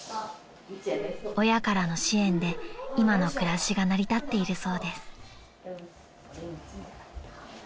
［親からの支援で今の暮らしが成り立っているそうです］